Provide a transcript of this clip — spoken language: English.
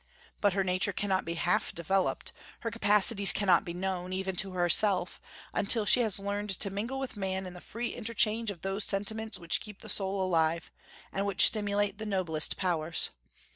But her nature cannot be half developed, her capacities cannot be known, even to herself, until she has learned to mingle with man in the free interchange of those sentiments which keep the soul alive, and which stimulate the noblest powers.